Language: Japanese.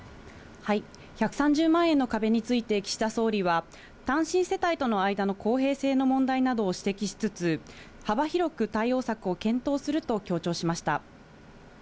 １３０万円の壁について岸田総理は、単身世帯との間の公平性の問題などを指摘しつつ、幅広く対応策を検討すると強調しました。